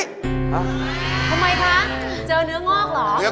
ทำไมคะเจอเนื้องอกเหรอ